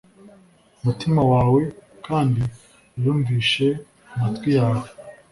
mutima wawe kandi uyumvishe amatwi yawe